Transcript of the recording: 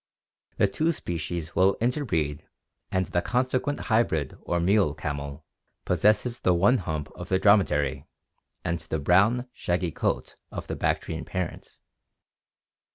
The two species will interbreed and the consequent hybrid or mule camel possesses the one hump of the dromedary and the brown shaggy coat of the Bactrian parent.